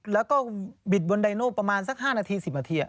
แล้วก็บิดบนไดโน่ประมาณสัก๕นาที๑๐นาที